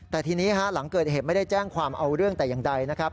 แต่ทีนี้หลังเกิดเหตุไม่ได้แจ้งความเอาเรื่องแต่อย่างใดนะครับ